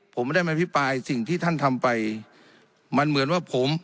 ผมไม่ได้มาอภิปรายสิ่งที่ท่านทำไปมันเหมือนว่าผม